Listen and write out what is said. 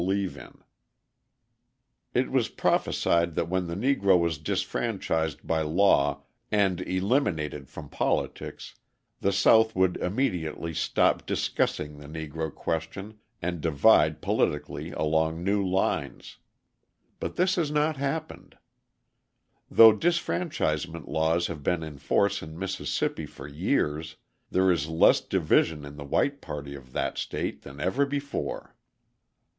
TYLER An auditor of the Government at Washington] It was prophesied that when the Negro was disfranchised by law and "eliminated from politics" the South would immediately stop discussing the Negro question and divide politically along new lines. But this has not happened. Though disfranchisement laws have been in force in Mississippi for years there is less division in the white party of that state than ever before.